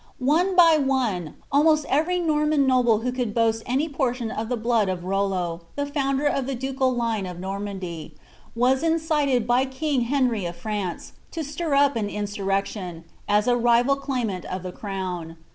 One by one, almost every Norman noble who could boast any portion of the blood of RoUo, the founder of the ducal line of Normandy, was incited by king Henry of France to stir up an insurrection, as a rival claimant of the crown.